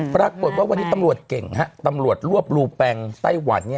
ปรากฏว่าวันนี้ตำรวจเก่งฮะตำรวจรวบรูแปงไต้หวัน